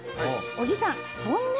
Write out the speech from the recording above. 小木さん。